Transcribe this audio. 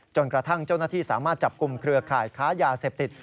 จนกระทั่งเจ้าหน้าที่สามารถจับกลุ่มเครือข่ายค้ายาเสพติด